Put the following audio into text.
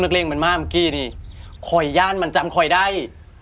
นักเล่มมากมะกินอีกมันจำไขวัยได้